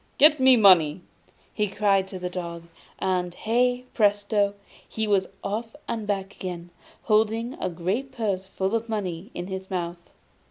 Get me money!' he cried to the dog, and hey, presto! he was off and back again, holding a great purse full of money in his mouth.